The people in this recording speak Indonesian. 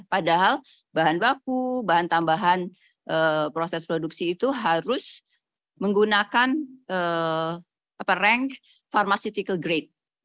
padahal bahan baku bahan tambahan proses produksi itu harus menggunakan rank pharmaceutical grade